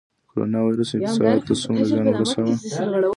د کرونا ویروس اقتصاد ته څومره زیان ورساوه؟